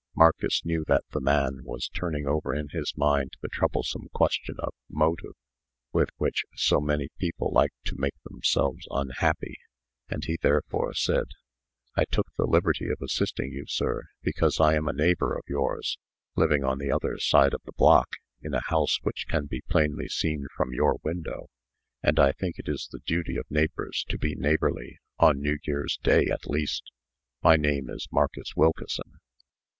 Marcus knew that the man was turning over in his mind the troublesome question of "MOTIVE," with which so many people like to make themselves unhappy; and he therefore said: "I took the liberty of assisting you, sir, because I am a neighbor of yours, living on the other side of the block, in a house which can be plainly seen from your window; and I think it is the duty of neighbors to be neighborly, on New Year's day at least. My name is Marcus Wilkeson."